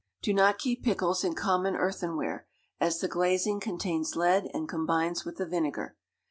Do not keep pickles in common earthenware, as the glazing contains lead, and combines with the vinegar.